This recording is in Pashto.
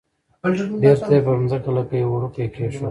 بیرته یې پر مځکه لکه یو وړوکی کېښود.